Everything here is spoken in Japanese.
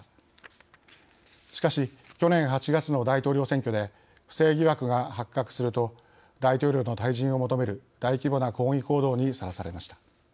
しかし去年８月の大統領選挙で不正疑惑が発覚すると大統領の退陣を求める大規模な抗議行動にさらされました。